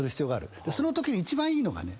そのときに一番いいのがね